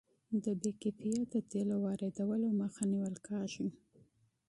د بې کیفیته تیلو واردولو مخه نیول کیږي.